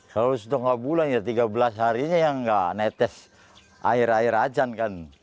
kalau setengah bulan ya tiga belas harinya ya nggak netes air air ajan kan